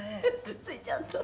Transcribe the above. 「くっついちゃうと」